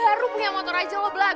baru punya motor aja lo belag